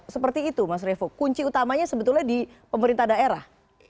seperti itu mas revo kunci utamanya sebetulnya di pemerintah daerah